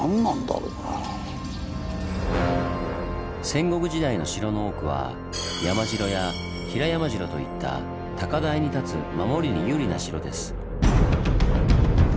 戦国時代の城の多くは山城や平山城といった高台に建つ守りに有利な城です。